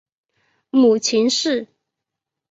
母秦氏。